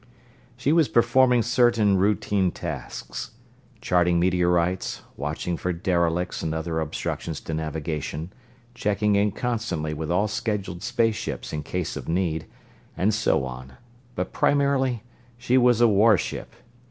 She was performing certain routine tasks charting meteorites, watching for derelicts and other obstructions to navigation, checking in constantly with all scheduled space ships in case of need, and so on but primarily she was a warship.